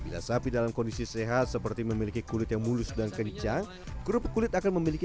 dan sapi dalam kondisi sehat seperti memiliki kulit yang mulus dan kencang kerupuk kulit akan memiliki